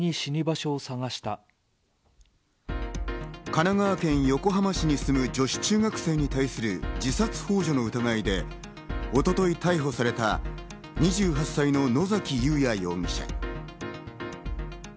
神奈川県横浜市に住む、女子中学生に対する自殺ほう助の疑いで一昨日、逮捕された２８歳の野崎祐也容疑者。